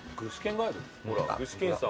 ほら具志堅さん。